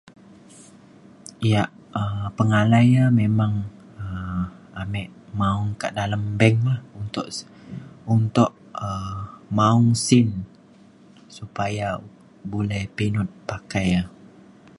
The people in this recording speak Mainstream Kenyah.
ya' um pengalai e memang um amik maung ke dalem bank la untuk untuk um maung sin supaya buleh pinut pakai e.